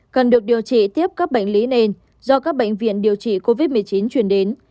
cần được điều trị tiếp các bệnh lý nền do các bệnh viện điều trị covid một mươi chín chuyển đến